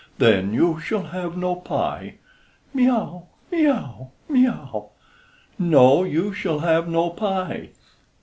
Then you shall have no pie. Mee ow, mee ow, mee ow. No, you shall have no pie.